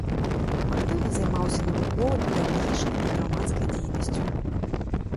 Актыўна займаўся навуковай, педагагічнай і грамадскай дзейнасцю.